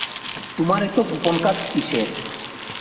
তোমার এতো গোপন কাজ কীসের?